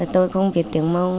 tôi không biết tiếng mông